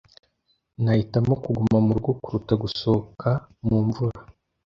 Nahitamo kuguma murugo kuruta gusohoka mu mvura.